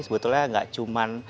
sebetulnya nggak cuma